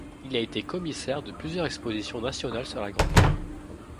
Il a été commissaire de plusieurs expositions nationales sur la Grande Guerre.